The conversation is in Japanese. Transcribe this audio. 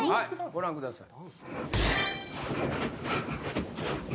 ご覧ください。